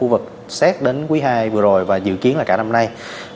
và dự kiến là cả năm nay